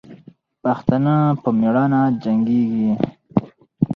پښتانه په میړانې جنګېږي.